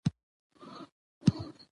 مغرور مقهور کیږي، حتمأ ژر یا وروسته!